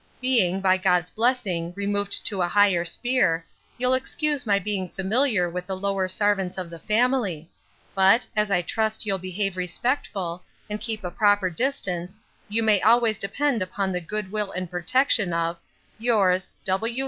Being, by God's blessing, removed to a higher spear, you'll excuse my being familiar with the lower sarvants of the family; but, as I trust you'll behave respectful, and keep a proper distance, you may always depend upon the good will and purtection of Yours, W.